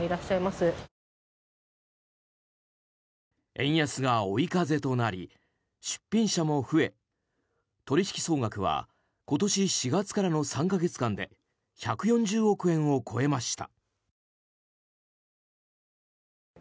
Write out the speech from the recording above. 円安が追い風となり出品者も増え取引総額は今年４月からの３か月間で１４０億円を超えました。